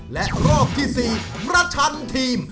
และรอบที่๔ประชันทีม